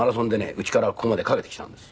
家からここまで駆けてきたんです。